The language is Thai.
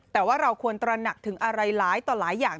แต่ว่าเราควรตระหนักถึงอะไรหลายต่อหลายอย่าง